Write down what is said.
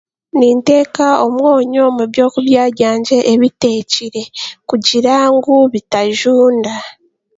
Niteeka omwonyo omu byokurya byangye ebiteekire kugira ngu bitajunda